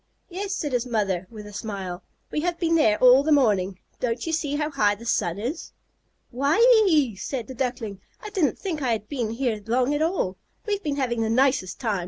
"Yes," said his mother, with a smile. "We have been there all the morning. Don't you see how high the sun is?" "Why ee!" said the Duckling. "I didn't think I had been here long at all. We've been having the nicest time.